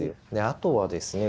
あとはですね